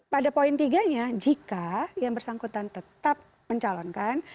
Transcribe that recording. pada poin tiganya jika yang bersangkutan tetap mencalonkan